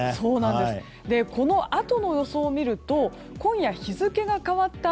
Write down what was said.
このあとの予想を見ると今夜日付が変わった